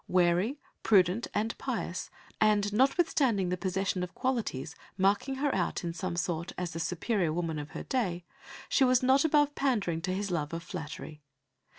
Wary, prudent, and pious, and notwithstanding the possession of qualities marking her out in some sort as the superior woman of her day, she was not above pandering to his love of flattery.